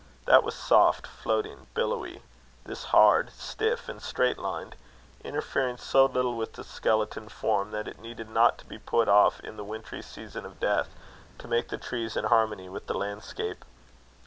That was soft, floating, billowy; this hard, stiff, and straight lined, interfering so little with the skeleton form, that it needed not to be put off in the wintry season of death, to make the trees in harmony with the landscape.